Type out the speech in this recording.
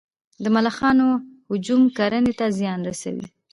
د ملخانو هجوم کرنې ته زیان رسوي؟